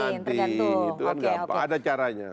itu nanti itu enggak ada caranya